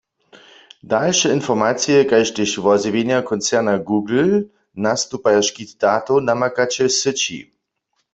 Dalše informacije kaž tež wozjewjenja koncerna Google nastupajo škit datow namakaće w syći.